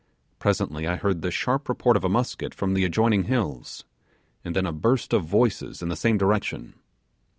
Presently I heard the sharp report of a musket from the adjoining hills, and then a burst of voices in the same direction.